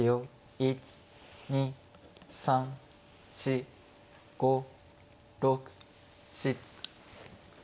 １２３４５６７。